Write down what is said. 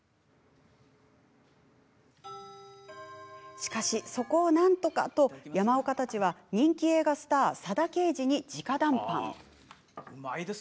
しかし、そこをなんとかと山岡たちは人気映画スター佐田啓二にじか談判。